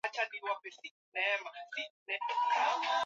Siwezi kukaa kimya wakati dhulma inatokea kwa kiumbe yeyote mwanamama huyo